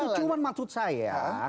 itu cuma maksud saya